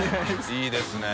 いいですね。